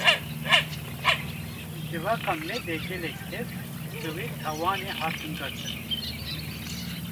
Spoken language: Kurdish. Civaka me de gelek kes, bi wê tawanê hatin girtin